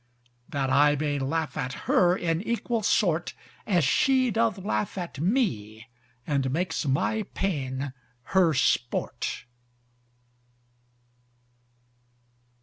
That I may laugh at her in equal sort, As she doth laugh at me and makes my pain her sport.